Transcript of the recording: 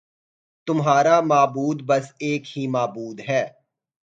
تمہارا معبود بس ایک ہی معبود ہے